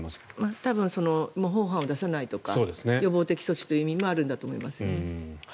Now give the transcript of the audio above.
多分模倣犯を出さないとか予防的措置というのもあるんだと思います。